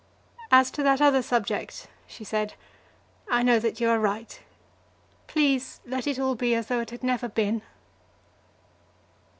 "As to that other subject," she said, "I know that you are right. Please let it all be as though it had never been."